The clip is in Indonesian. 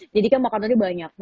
jadi kan makanannya banyak